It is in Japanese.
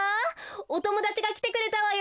おともだちがきてくれたわよ！